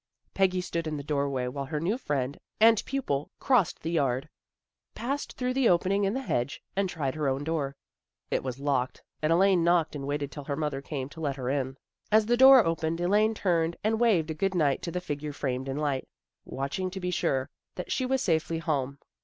Peggy stood in the doorway while her new friend and pupil crossed the yard, passed through the opening in the hedge and tried her own door. It was locked, and Elaine knocked and waited till her mother came to let her in. As the door opened Elaine turned and waved a good night to the figure framed in light, watch ing to be sure that she was safely home.